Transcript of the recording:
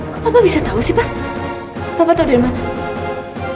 kok papa bisa tau sih pak papa tau dia dimana